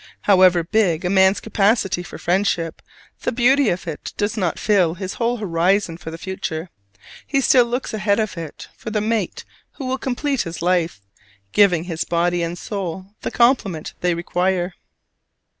However big a man's capacity for friendship, the beauty of it does not fill his whole horizon for the future: he still looks ahead of it for the mate who will complete his life, giving his body and soul the complement they require.